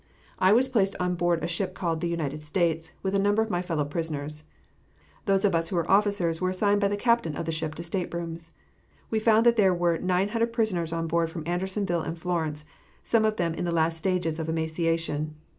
I was placed on board a ship called the United States, with a number of my fellow prisoners. Those of us who were officers were assigned by the captain of the ship to staterooms. We found that there were nine hundred prisoners on board from Andersonville and Florence, some of them in the last stages of emaciation.